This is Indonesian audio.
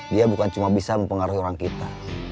dia bukan cuma bisa mempengaruhi orang kita